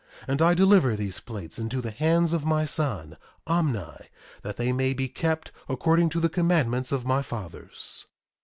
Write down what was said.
1:15 And I deliver these plates into the hands of my son Omni, that they may be kept according to the commandments of my fathers.